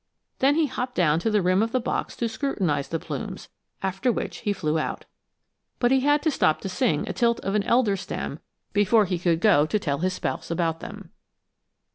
Then he hopped down on the rim of the box to scrutinize the plumes, after which he flew out. But he had to stop to sing atilt of an elder stem before he could go on to tell his spouse about them.